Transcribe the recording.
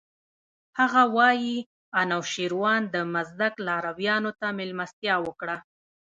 هغه وايي انوشیروان د مزدک لارویانو ته مېلمستیا وکړه.